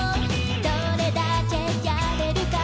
「どれだけやれるか」